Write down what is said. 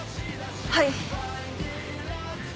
はい